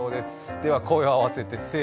では声を合わせて。